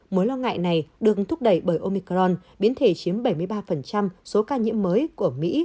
mối lo ngại này được thúc đẩy bởi omicron biến thể chiếm bảy mươi ba số ca nhiễm mới của mỹ